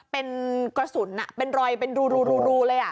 เป็นกระสุนเป็นรอยเป็นรูเลย